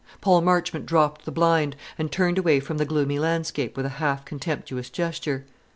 Paul Marchmont dropped the blind, and turned away from the gloomy landscape with a half contemptuous gesture.